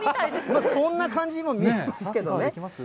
そんな感じにも見えますけどね。